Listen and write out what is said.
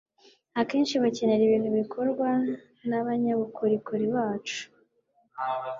Akenshi bakenera ibintu bikorwa n'abanyabukorikori bacu,